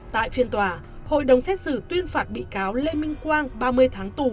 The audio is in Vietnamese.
tại phiên tòa hội đồng xét xử tuyên phạt bị cáo lê minh quang ba mươi tháng tù